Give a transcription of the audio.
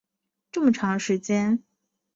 这么长的时间